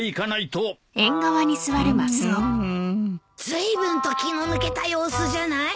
ずいぶんと気の抜けた様子じゃない？